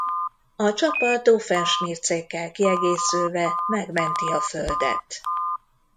A csapat Doofenshmirtz-ékkel kiegészülve megmenti a földet.